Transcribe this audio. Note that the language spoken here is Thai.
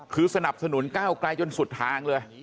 คือสนับสนุนก้าวไกลจนสุดทางเลย